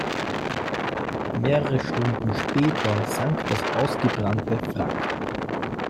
Mehrere Stunden später sank das ausgebrannte Wrack.